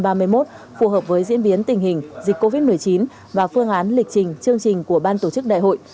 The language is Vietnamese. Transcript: phù hợp với diễn biến tình hình dịch covid một mươi chín và phương án lịch trình chương trình của ban tổ chức đại hội